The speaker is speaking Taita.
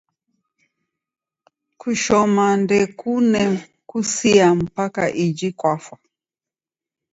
Kushoma ndokune kusia mpaka iji kwafa